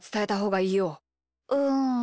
うん。